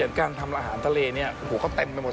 เพราะฉะนั้นอาหารทะเลนี่ก็เต็มไปหมด